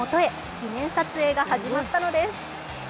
記念撮影が始まったのです。